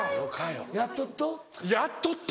「やっとっと？」。